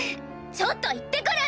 ちょっと行ってくる！